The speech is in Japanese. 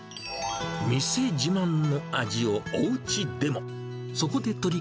店自慢の味をおうちでも。